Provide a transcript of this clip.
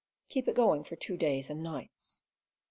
Keep it going for two days and nights.